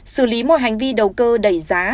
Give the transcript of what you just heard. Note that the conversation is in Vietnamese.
xử lý mọi hành vi đầu cơ đẩy giá